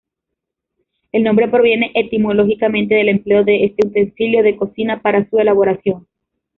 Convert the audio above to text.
El nombre proviene etimológicamente del empleo de este utensilio de cocina para su elaboración.